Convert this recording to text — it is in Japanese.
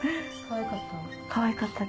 かわいかった？